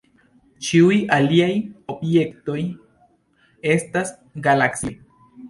Ĉiuj aliaj objektoj, estas galaksioj.